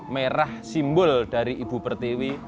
merah simbol dari ibu pertiwi